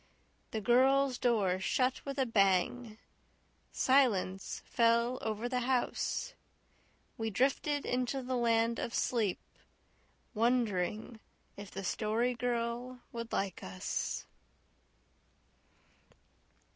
The girls' door shut with a bang. Silence fell over the house. We drifted into the land of sleep, wondering if the Story Girl would like us.